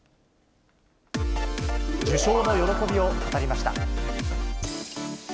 受賞の喜びを語りました。